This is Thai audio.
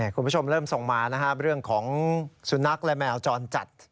คุณผู้ชมเริ่มส่งมานะครับเรื่องของสุนัขและแมวจรจัด